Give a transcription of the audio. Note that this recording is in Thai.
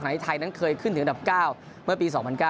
ขณะที่ไทยเคยขึ้นถึงดับ๙เมื่อปี๒๐๐๙